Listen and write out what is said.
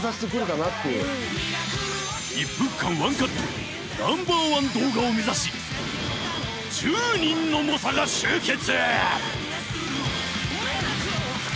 １分間ワンカットＮｏ．１動画を目指し１０人の猛者が集結！